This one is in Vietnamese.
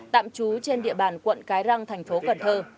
tạm trú trên địa bàn quận cái răng tp hcm